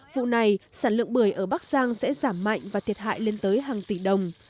vụ này sản lượng bưởi ở bắc giang sẽ giảm mạnh và thiệt hại lên tới hàng tỷ đồng